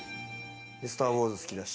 『スター・ウォーズ』好きだし。